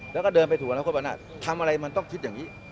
แล้วก็เดินไปสู่อนาคตวันนั้นทำอะไรมันต้องคิดอย่างนี้